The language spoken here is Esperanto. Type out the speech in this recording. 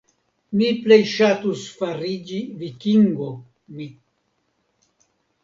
Mi plej ŝatus fariĝi vikingo, mi.